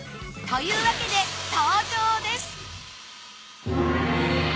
というわけで登場です！